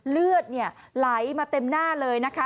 เลือดไหลมาเต็มหน้าเลยนะคะ